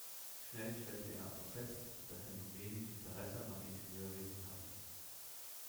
Schnell stellte er aber fest, dass er nur wenig Interesse am Ingenieurwesen hatte.